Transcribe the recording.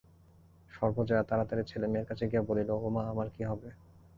সর্বজয়া তাড়াতাড়ি ছেলে-মেয়ের কাছে গিয়া বলিল, ওমা আমার কি হবে।